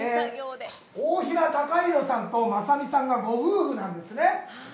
大平さんとまさみさんがご夫婦なんですね。